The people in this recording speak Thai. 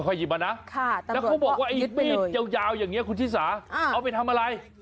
หยิบมานะแล้วเขาบอกว่าไอ้มีดยาวอย่างนี้คุณชิสาเอาไปทำอะไร